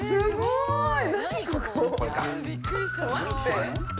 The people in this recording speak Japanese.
すごい。